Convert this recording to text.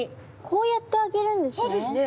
こうやってあげるんですね。